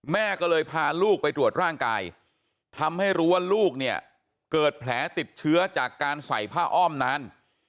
แม่ก็เลยพาลูกไปตรวจร่างกายทำให้รู้ว่าลูกเนี่ยเกิดแผลติดเชื้อจากการใส่ผ้าอ้อมนาน